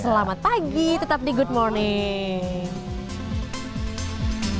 selamat pagi tetap di good morning